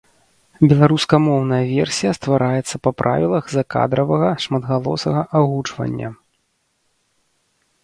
Беларускамоўная версія ствараецца па правілах закадравага шматгалосага агучвання.